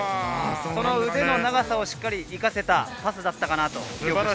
この腕の長さを生かせたパスだったかなと。